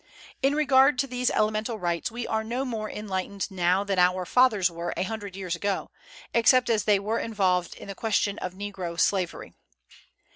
In regard to these elemental rights we are no more enlightened now than our fathers were a hundred years ago, except as they were involved in the question of negro slavery.